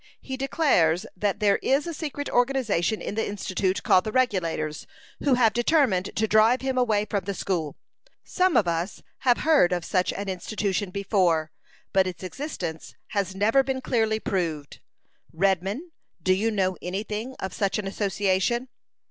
He declares that there is a secret organization in the Institute called the Regulators, who have determined to drive him away from the school. Some of us have heard of such an institution before, but its existence has never been clearly proved. Redman, do you know any thing of such an association."